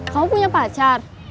kamu punya pacar